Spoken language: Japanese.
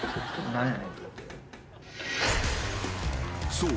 ［そう。